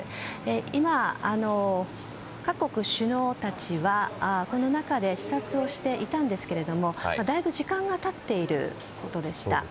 今、各国首脳たちはこの中で視察をしていたんですけれどもだいぶ時間が経っているということでした。